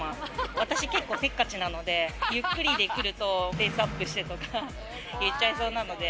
私、結構せっかちなので、ゆっくりでくるとペースアップしてとか言っちゃいそうなので。